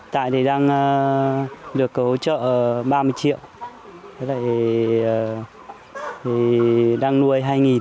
tại thì đang được hỗ trợ ba mươi triệu đang nuôi hai